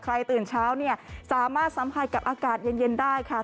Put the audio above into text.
ตื่นเช้าเนี่ยสามารถสัมผัสกับอากาศเย็นได้ค่ะ